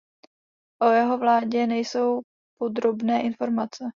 O jeho vládě nejsou podrobné informace.